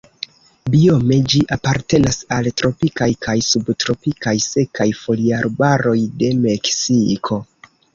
Biome ĝi apartenas al tropikaj kaj subtropikaj sekaj foliarbaroj de Meksiko.